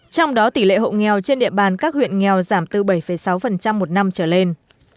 trong đó tỷ lệ hộ nghèo trên địa bàn các huyện nghèo giảm từ bảy sáu một năm trở lên